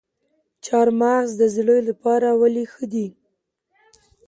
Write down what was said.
چهارمغز د زړه لپاره ولې ښه دي؟